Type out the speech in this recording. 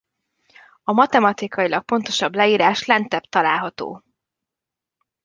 A matematikailag pontosabb leírás lentebb található.